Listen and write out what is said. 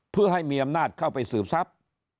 เพื่อให้มีอำนาจเข้าไปสืบทรัพย์